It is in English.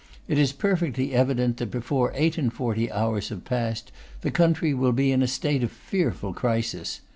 It is perfectly evident, that before eight and forty hours have passed, the country will be in a state of fearful crisis.